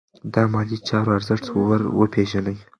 د مالي چارو ارزښت ور وپیژنئ.